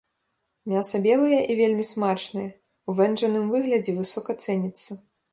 Мяса белае і вельмі смачнае, у вэнджаным выглядзе высока цэніцца.